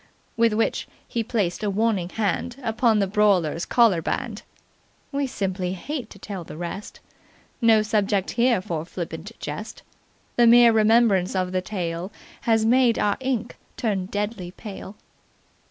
With which he placed a warning hand upon the brawler's collarband. We simply hate to tell the rest. No subject here for flippant jest. The mere remembrance of the tale has made our ink turn deadly pale.